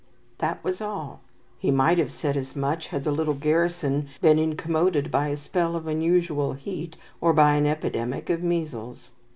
That was all. He might have said as much had the little garrison been incommoded by a spell of unusual heat, or by an epidemic of measles.